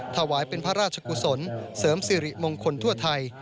ถวายเป็นพระราชกุศลเสริมสิริมงคลทั่วไทย